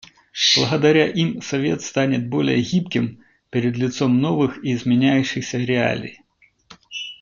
Благодаря им Совет станет более гибким пред лицом новых и изменяющихся реалий.